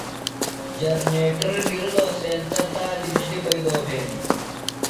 جرنیٹر گِرلوۡ سینتہ تائی دی بجلیۡ پئیدو بھینیۡ۔